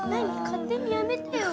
勝手にやめてよ！